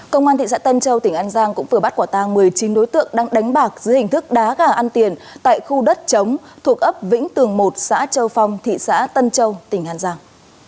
công an thị xã tân châu tỉnh an giang cũng vừa bắt quả tang một mươi chín đối tượng đang đánh bạc dưới hình thức đá gà ăn tiền tại khu đất chống thuộc ấp vĩnh tường một xã châu phong thị xã tân châu tỉnh an giang